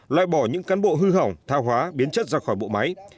loại bỏ những cán bộ hư hỏng thao hóa biến chất ra khỏi bộ máy